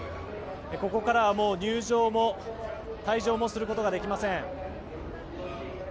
ここからはもう入場も退場もすることができません。